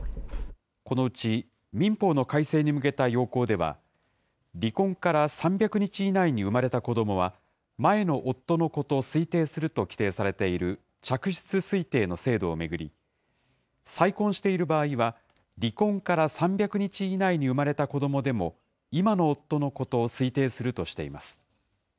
このうち、民法の改正に向けた要綱では、離婚から３００日以内に生まれた子どもは、前の夫の子と推定すると規定されている、嫡出推定の制度を巡り、再婚している場合は、離婚から３００日以内に生まれた子どもでも、今の夫の子と推定するとしています。